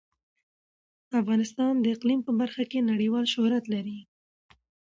افغانستان د اقلیم په برخه کې نړیوال شهرت لري.